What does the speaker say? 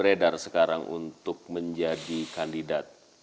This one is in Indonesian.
tersalahnya di mana